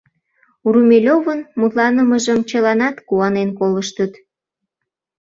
Румелёвын мутланымыжым чыланат куанен колыштыт.